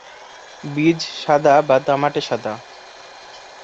বীজ সাদা বা তামাটে সাদা।